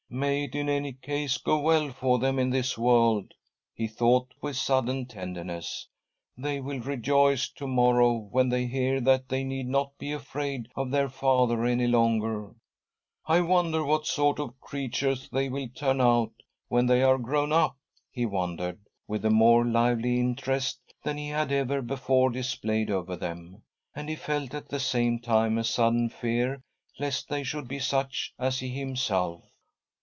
'* May it, in any case, go well for them in this . world I " he thought with sudden tenderness. .." They will rejoice f o morrow when they hear that they need not be afraid of their father any longer. " I wonder what sort of creatures they will turn ■'..•'•...."•■ 1 1 m il 1 ——— ^1— i^^i^^^^^m 176 THY SOUL SHALL BEAR WITNESS! out, when they are grown up," he wondered, with a more lively interest than he had ever before displayed over them, and he felt at the same time a sudden fear lest they should be such as he himself.